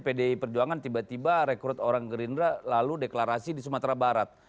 pdi perjuangan tiba tiba rekrut orang gerindra lalu deklarasi di sumatera barat